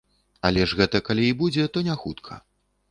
Але ж гэта калі і будзе, то не хутка.